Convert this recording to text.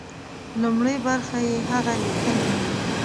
لومړۍ برخه يې هغه ليکنې دي.